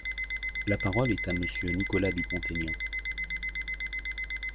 La parole est à Monsieur Nicolas Dupont-Aignan.